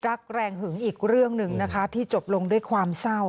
รักแรงหึงอีกเรื่องหนึ่งนะคะที่จบลงด้วยความเศร้า